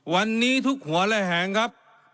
วันนี้ทุกขวาและแหงครับ